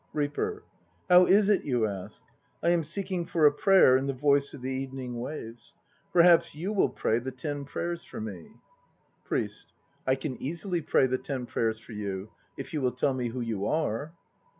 REAPER. How is it, you ask? I am seeking for a prayer in the voice of the evening waves. Perhaps you will pray the Ten Prayers for me? PRIEST. I can easily pray the Ten Prayers for you, if you will tell me who you are.